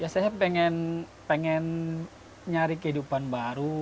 saya pengen nyari kehidupan baru